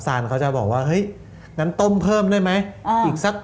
ซานเขาจะบอกว่าเฮ้ยนั้นต้มเพิ่มได้ไหม